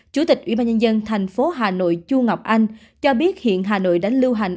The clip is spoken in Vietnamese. chủ tịch ủy ban nhân dân thành phố hà nội chu ngọc anh cho biết hiện hà nội đã lưu hành